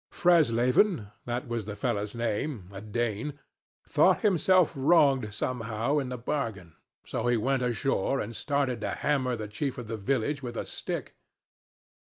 Fresleven that was the fellow's name, a Dane thought himself wronged somehow in the bargain, so he went ashore and started to hammer the chief of the village with a stick.